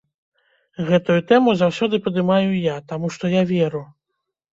Гэтую тэму заўсёды падымаю я, таму што я веру.